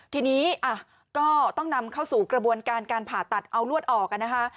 ทีนี้ก็ต้องนำเข้าสู่กระบวนการการผ่าตัดเอาลวดออกนะคะ